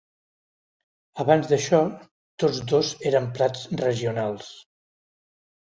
Abans d'això, tots dos eren plats regionals.